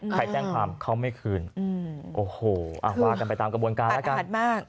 ใครแจ้งความเขาไม่คืนอืมโอ้โหอะหวากันไปตามกระบวนการละกันอัดอาดมาก